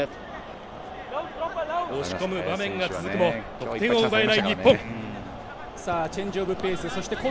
押し込む場面が続くも得点を奪えない日本。